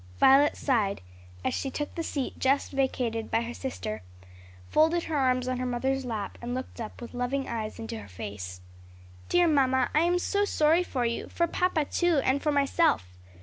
Violet sighed as she took the seat just vacated by her sister, folded her arms on her mother's lap, and looked up with loving eyes into her face. "Dear mamma, I am so sorry for you! for papa too, and for myself.